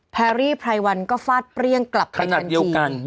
แพรรี่ไพรวันก็ฟาดเปรี้ยงกลับไปทางจีน